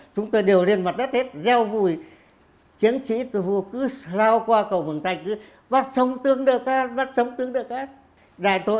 chúng tôi đều lên mặt đất hết gieo vùi chiến trị tù vua cứ lao qua cầu mường thanh cứ bắt sống tướng được hết bắt sống tướng được hết